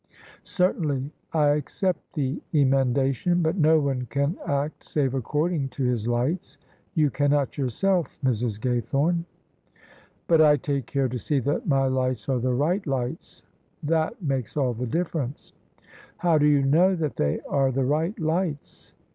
" Certainly : I accept the emendation. But no one can act save according to his lights: you cannot yourself, Mrs. Gaythorne." [ 194 ] OF ISABEL CARNABY "But I take care to see that my lights are the right lights : that makes all the difference." "How do you know that they are the right lights?"